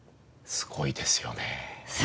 すごいですね。